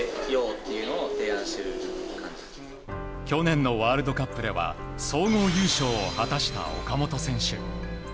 去年のワールドカップでは総合優勝を果たした、岡本選手。